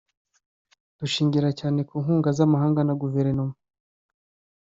Dushingira cyane ku nkunga z’amahanga na guverinoma